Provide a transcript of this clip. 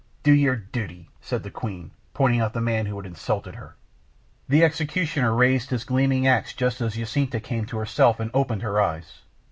"Do your duty," said the queen, pointing out the man who had insulted her. The executioner raised his gleaming axe just as Jacinta came to herself and opened her eyes.